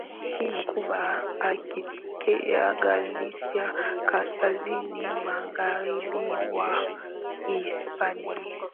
Nchini Cuba akitokea Galicia Kaskazini Magharibi mwa Hispania